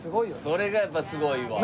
それがやっぱすごいわ。